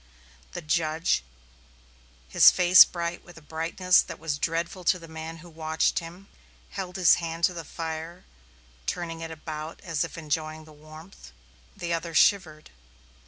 The judge, his face bright with a brightness that was dreadful to the man who watched him, held his hand to the fire, turning it about as if enjoying the warmth. The other shivered.